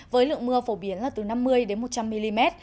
với lượng mưa phổ biến là từ năm mươi đến một trăm linh mm